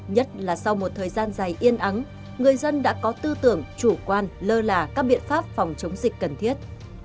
nhất là sau một thời gian dài yên ắng người dân đã có tư tưởng chủ quan lơ lả các biện pháp phòng chống dịch cần thiết